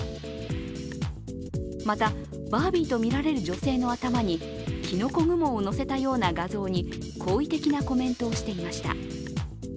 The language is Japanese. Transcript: また、バービーとみられる女性の頭にきのこ雲をのせたような画像に好意的なコメントをしていました。